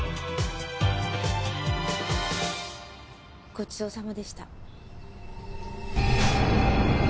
ごちそうさまでした。